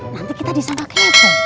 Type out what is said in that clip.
nanti kita disampa kepo